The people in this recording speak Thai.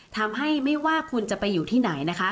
ทำให้ไม่ว่าคุณจะไปอยู่ที่ไหนนะคะ